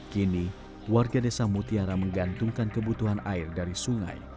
kini warga desa mutiara menggantungkan kebutuhan air dari sungai